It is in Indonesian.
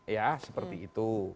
ya seperti itu